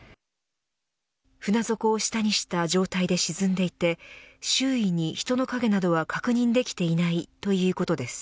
船底を下にした状態で沈んでいて周囲に人の影などは確認できていないということです。